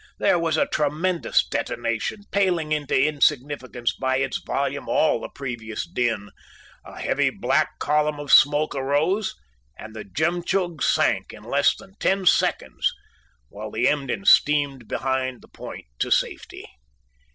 There was a tremendous detonation, paling into insignificance by its volume all the previous din; a heavy black column of smoke arose and the Jemtchug sank in less than ten seconds, while the Emden steamed behind the point to safety.